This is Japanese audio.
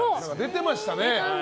出てましたね。